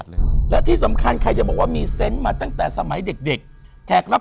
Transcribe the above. สวัสดีครับสวัสดีครับ